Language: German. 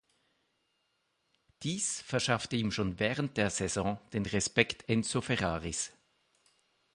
Dies verschaffte ihm schon während der Saison den Respekt Enzo Ferraris.